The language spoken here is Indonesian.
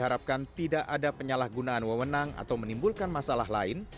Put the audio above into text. akan tidak ada penyalahgunaan wewenang atau menimbulkan masalah lain